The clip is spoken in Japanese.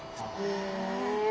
へえ。